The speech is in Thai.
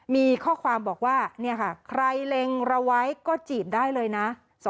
มีข้อความบอกว่าเนี่ยค่ะใครเล็งเราไว้ก็จีบได้เลยนะ